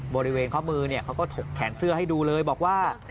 บริเวณข้อมือเนี่ยเขาก็ถกแขนเสื้อให้ดูเลยบอกว่า